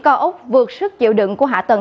co ốc vượt sức dịu đựng của hạ tầng